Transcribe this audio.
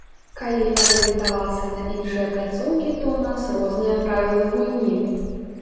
Калі арыентавацца на іншыя пляцоўкі, то ў нас розныя правілы гульні.